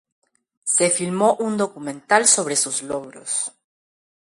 Se filmó un documental sobre sus logros.